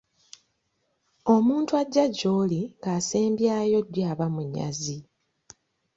Omuntu ajja gy’oli ng’asembyayo ddyo aba munyazi.